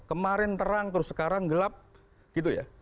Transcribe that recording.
kemarin terang terus sekarang gelap gitu ya